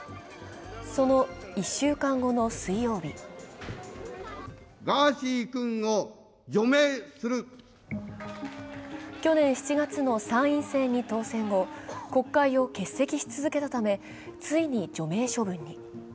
その１週間後の水曜日去年７月の参院選に当選後国会を欠席し続けたためついに除名処分に。